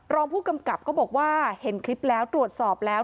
รองผู้กำกับก็บอกว่าเห็นคลิปแล้วตรวจสอบแล้ว